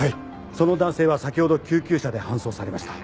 その男性は先ほど救急車で搬送されました。